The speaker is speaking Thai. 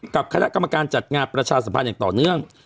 กับคณะกรรมการจัดงานประชาสัมพันธ์อย่างต่อเนื่อง